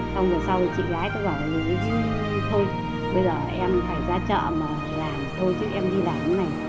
xong rồi sau thì chị gái gọi là thôi bây giờ em phải ra chợ mà làm thôi chứ em đi làm như thế này